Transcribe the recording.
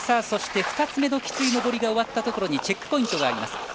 そして、２つ目のきつい上りが終わったところにチェックポイントがあります。